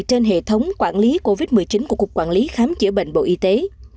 trên hệ thống quản lý covid một mươi chín của cục quản lý khám chữa bệnh bộ y tế